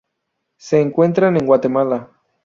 Se encuentran en Guatemala.